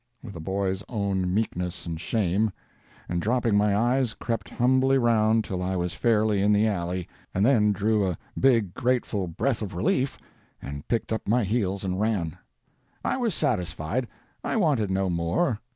with a boy's own meekness and shame; and, dropping my eyes, crept humbly round till I was fairly in the alley, and then drew a big grateful breath of relief, and picked up my heels and ran! I was satisfied. I wanted no more.